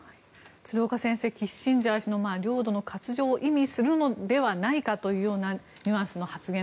鶴岡先生キッシンジャー氏の領土の割譲を意味するのではないかというニュアンスの発言